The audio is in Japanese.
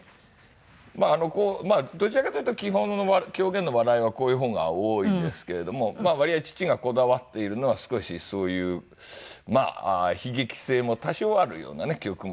まあどちらかというと基本の狂言の笑いはこういう方が多いですけれども割合父がこだわっているのは少しそういうまあ悲劇性も多少あるようなね曲目が好きですね。